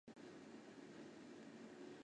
顾全武终官指挥使。